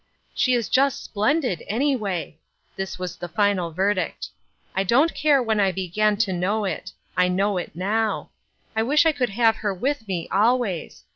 *' She is just splendid, anyway !" This was the final verdict. " I don't care when I began to know it; I know it now. I wish I could have her with me always.